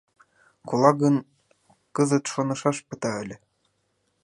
Кола гын, кызыт шонышаш пыта ыле.